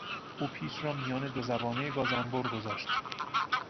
او پیچ را میان دو زبانهی گازانبر گذاشت.